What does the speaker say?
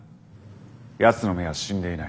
やつの目は死んでいない。